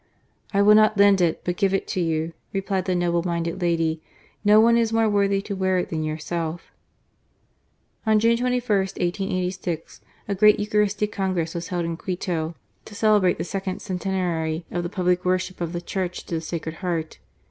" I will not lend it, but give it to you," replied that noble minded lady. " No one is more worthy to wear it than yourself." On June 2r, 1886, a great Eucharistic Congress was held in Quito to celebrate the second centenary of the public worship of the Church to the Sacred Heart.